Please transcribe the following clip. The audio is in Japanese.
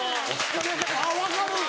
あぁ分かる。